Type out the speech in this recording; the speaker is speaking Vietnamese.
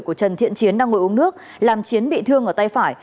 của trần thiện chiến đang ngồi uống nước làm chiến bị thương ở tay phải